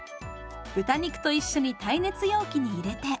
豚肉と一緒に耐熱容器に入れて。